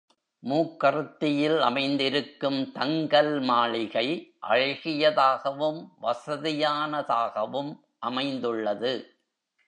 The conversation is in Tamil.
மூக்கறுத்தியில் அமைந்திருக்கும் தங்கல் மாளிகை அழகியதாகவும், வசதியான தாகவும் அமைந்துள்ளது.